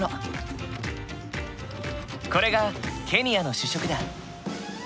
これがケニアの主食だ。